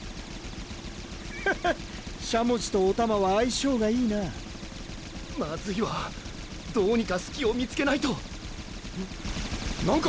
ハハッしゃもじとおたまは相性がいいなまずいわどうにか隙を見つけないとうん？